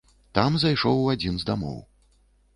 Там зайшоў у адзін з дамоў.